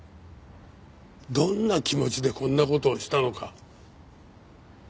どんな気持ちでこんな事をしたのか。